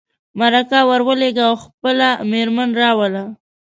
مرکه ور ولېږه او خپله مېرمن راوله.